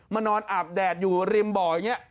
มานอนอาบแดดอยู่ริมเบาะอย่างเงี้ย